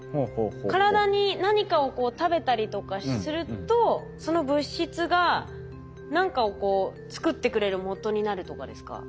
体に何かをこう食べたりとかするとその物質が何かをこう作ってくれるもとになるとかですか？